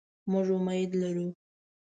مونږ امید لرو